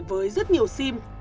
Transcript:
với rất nhiều sim